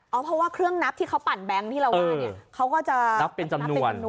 เพราะว่าเครื่องนับที่เขาปั่นแบงค์ที่เราว่าเนี่ยเขาก็จะนับเป็นจำนวน